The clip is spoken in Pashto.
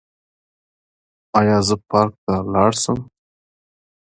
ایا زه پارک ته لاړ شم؟